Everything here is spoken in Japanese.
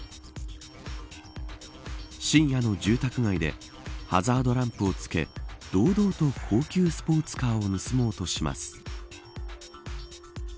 深夜の住宅街でハザードランプをつけ堂々と高級スポーツカーを盗もうとします。